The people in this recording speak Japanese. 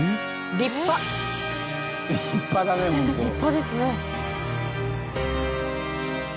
立派ですね。